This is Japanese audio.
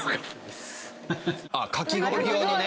ああかき氷用のね。